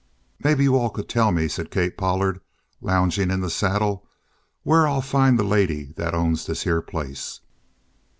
"Maybe you all could tell me," said Kate Pollard, lounging in the saddle, "where I'll find the lady that owns this here place?"